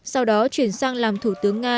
sau đó chuyển sang làm thủ tướng nga